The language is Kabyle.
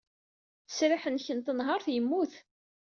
Ttesriḥ-nnek n tenhaṛt yemmut.